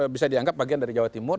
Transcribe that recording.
bisa dianggap bagian dari jawa timur